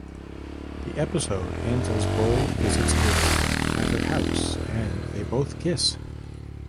The episode ends as Boyd visits Ava at her house and they both kiss.